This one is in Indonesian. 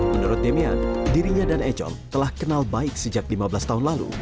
menurut demian dirinya dan econg telah kenal baik sejak lima belas tahun lalu